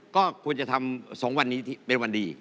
ก็ควรจะทำ๒วันนี้เป็นวันดี